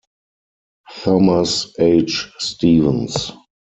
Thomas H. Stevens.